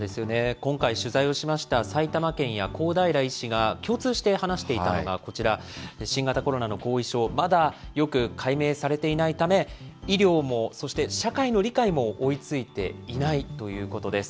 今回取材をしました、埼玉県や公平医師が共通して話していたのがこちら、新型コロナの後遺症、まだよく解明されていないため、医療も、そして社会の理解も追いついていないということです。